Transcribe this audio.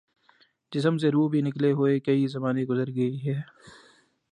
جسم سے روح بھی نکلےہوئے کئی زمانے گزر گے ہیں